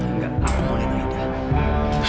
enggak aku mau lihat aida